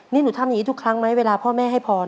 นี่หนูทำอย่างนี้ทุกครั้งไหมเวลาพ่อแม่ให้พร